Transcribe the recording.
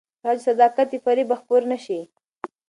تر هغه چې صداقت وي، فریب به خپور نه شي.